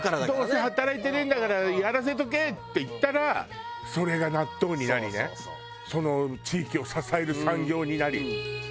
「どうせ働いてねえんだからやらせとけ」って言ったらそれが納豆になりねその地域を支える産業になり。